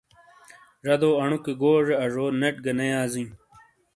زادو انو کے گوزے آزو نیٹ گہ نے یا زیں ۔